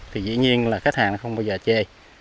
thì dĩ nhiên là khách hàng không bao giờ chơi